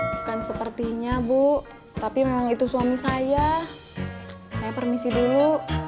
bukan sepertinya bu tapi memang itu suami saya saya permisi dulu